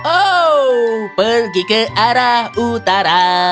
oh pergi ke arah utara